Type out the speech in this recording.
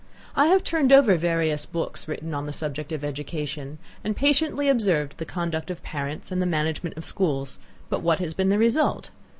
I have turned over various books written on the subject of education, and patiently observed the conduct of parents and the management of schools; but what has been the result?